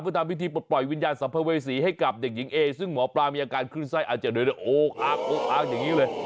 เพื่อทำพิธีปลดปล่อยวิญญาณสัมภเวษีให้กับเด็กหญิงเอซึ่งหมอปลามีอาการขึ้นไส้อาจจะโดยโอ๊กอักโอ๊กอากอย่างนี้เลย